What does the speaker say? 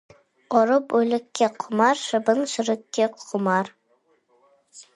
ұры бүлікке құмар, шыбын шірікке құмар.